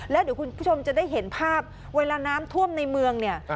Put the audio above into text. แล้วเดี๋ยวคุณผู้ชมจะได้เห็นภาพเวลาน้ำท่วมในเมืองเนี่ย